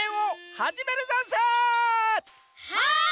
はい！